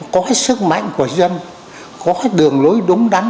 có sức mạnh của dân có đường lối đúng đắn